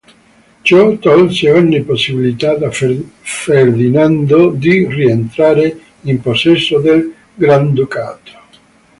Ciò tolse ogni possibilità a Ferdinando di rientrare in possesso del Granducato.